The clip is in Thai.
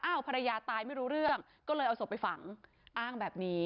ภรรยาตายไม่รู้เรื่องก็เลยเอาศพไปฝังอ้างแบบนี้